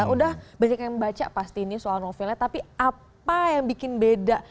udah banyak yang baca pasti ini soal novelnya tapi apa yang bikin beda